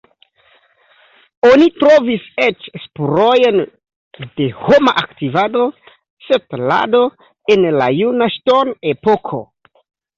Oni trovis eĉ spurojn de homa aktivado, setlado en la juna ŝtonepoko.